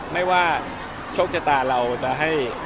ไม่ว่าโชคชะตาเราจะให้